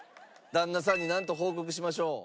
旦那さんになんと報告しましょう？